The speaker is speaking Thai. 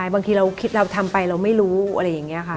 บางทีเราคิดเราทำไปเราไม่รู้อะไรอย่างนี้ค่ะ